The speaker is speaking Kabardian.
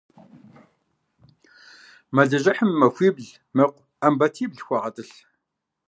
Мэлыжьыхьым и махуибл мэкъу Ӏэмбатибл хуэгъэтӀылъ.